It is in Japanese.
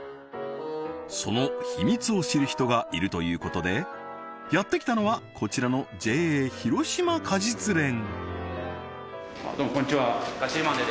その秘密を知る人がいるということでやってきたのはこちらのＪＡ広島果実連どうもこんにちは「がっちりマンデー！！」